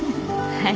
はい。